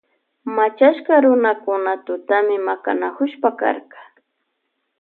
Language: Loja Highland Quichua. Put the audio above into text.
Machashka runakuna tutapi makanakushpa karka.